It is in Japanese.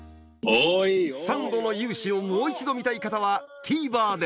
サンドの雄姿をもう一度見たい方はＴＶｅｒで